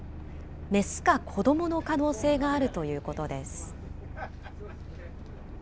雌か子どもの可能性があるということです。